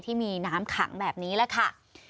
ที่มีน้ำขังแบบนี้แหละค่ะ